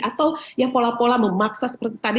atau ya pola pola memaksa seperti tadi